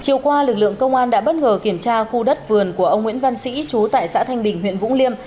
chiều qua lực lượng công an đã bất ngờ kiểm tra khu đất vườn của ông nguyễn văn sĩ chú tại xã thanh bình huyện vũng liêm